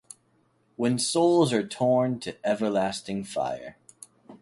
When souls are torn to everlasting fire.